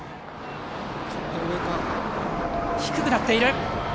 低くなっている。